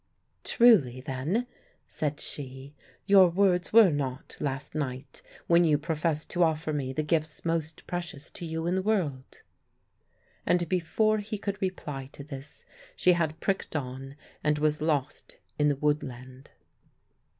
"Truly then," said she, "your words were nought, last night, when you professed to offer me the gifts most precious to you in the world." And before he could reply to this, she had pricked on and was lost in the woodland.